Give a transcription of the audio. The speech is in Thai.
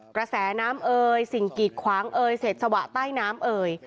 กระแสน้ำเอ่ยสิ่งกีดขวางเอยเศษสวะใต้น้ำเอ่ย